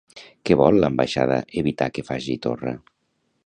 Què vol l'ambaixada evitar que faci Torra?